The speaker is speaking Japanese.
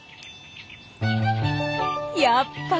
やっぱり！